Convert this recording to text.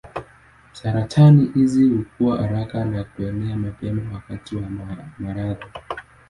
Saratani hizi hukua haraka na kuenea mapema wakati wa maradhi.